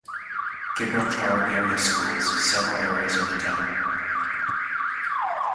Gibraltar Area Schools several areas in the town.